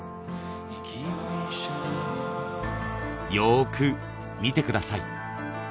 よく見て下さい。